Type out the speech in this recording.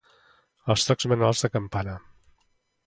Els tocs manuals de campana.